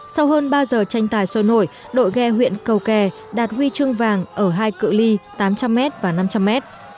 sau hơn ba giờ tranh tài sôi nổi đội ghe huyện cầu kè đạt huy chương vàng ở hai cự li tám trăm linh m và năm trăm linh m